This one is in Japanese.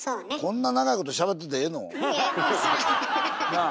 なあ？